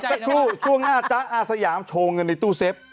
สักครู่ช่วงหน้าจ๊ะอาสยามโชว์เงินในตู้เซฟ